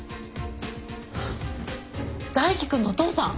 ハッ大樹君のお父さん！